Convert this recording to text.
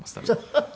フフフフ！